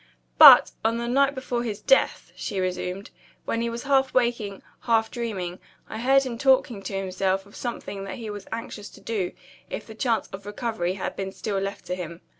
"But, on the night before his death," she resumed, "when he was half waking, half dreaming, I heard him talking to himself of something that he was anxious to do, if the chance of recovery had been still left to him.